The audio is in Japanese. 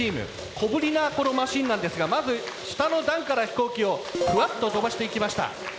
小ぶりなこのマシンなんですがまず下の段から紙飛行機をふわっと飛ばしていきました。